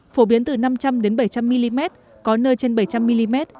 phổ biến từ năm trăm linh bảy trăm linh mm có nơi trên bảy trăm linh mm